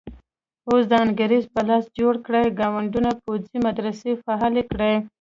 اوس د انګریز په لاس جوړ کړي ګاونډي پوځي مدرسې فعالې کړي.